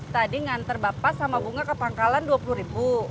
tadi nganter bapak sama bunga ke pangkalan dua puluh ribu